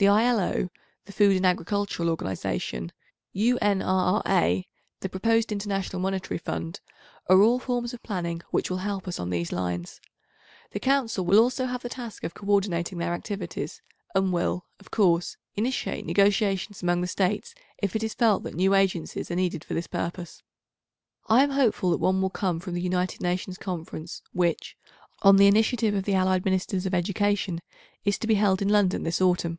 The I.L.O., the Food and Agricultural Organisation, U.N.R.R.A., the proposed International Monetary Fund, are all forms of planning, which will help us on these lines. The Council will also have the task of co ordinating their activities, and will, of course, initiate negotiations among the States if it is felt that new agencies are needed for this purpose. I am hopeful that one will come from the United Nations Conference, which, on the initiative of the Allied Ministers of Education, is to be held in London this autumn.